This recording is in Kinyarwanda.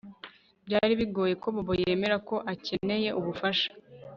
Byari bigoye ko Bobo yemera ko akeneye ubufasha